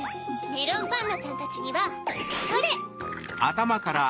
メロンパンナちゃんたちにはそれ！